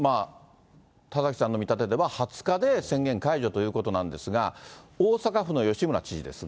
さあ、その田崎さんの見立てでは、２０日で宣言解除ということなんですが、大阪府の吉村知事ですが。